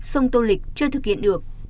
sông tô lịch chưa thực hiện được